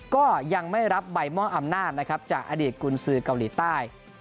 ก็ยังไม่รับใบมอบอำนาจนะครับจากอดีตกุญสือเกาหลีใต้